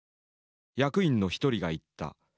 役員の一人が言った。